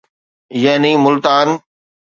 يعني ملتان